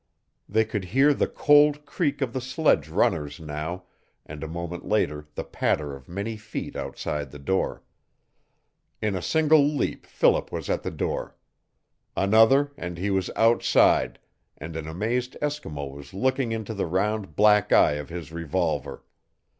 They could hear the cold creak of the sledge runners now, and a moment later the patter of many feet outside the door. In a single leap Philip was at the door. Another and he was outside, and an amazed Eskimo was looking into the round black eye of his revolver.